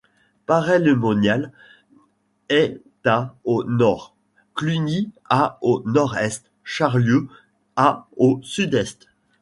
Paray-le-Monial est à au nord, Cluny à au nord-est, Charlieu à au sud-est.